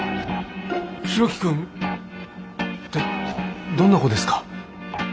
博喜くんってどんな子ですか？